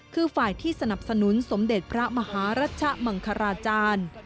คือฝ่ายที่สนับสนุนสมเด็จพระมหารัชมังคลาจารย์